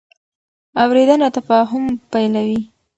اورېدنه تفاهم پیلوي.